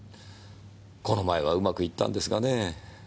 この前はうまくいったんですがねぇ。